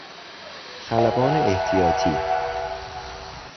خلبان احتیاطی